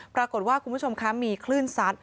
ปรากฏว่าคุณผู้ชมคะมีคลื่นซัด